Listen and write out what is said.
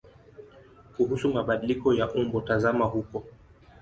Kuhusu mabadiliko ya umbo tazama huko.